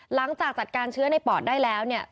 หลังจากจัดการเชื้อในปอดได้แล้วเนี่ย